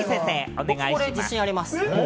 僕、これ自信あります。